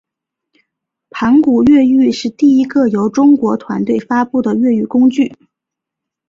盘古越狱是第一个由中国团队发布的越狱工具。